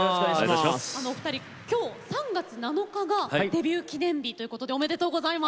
お二人、今日３月７日がデビュー記念日ということでおめでとうございます。